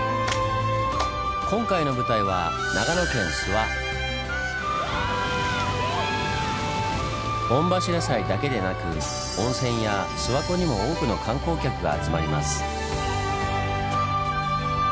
今回の舞台は御柱祭だけでなく温泉や諏訪湖にも多くの観光客が集まります。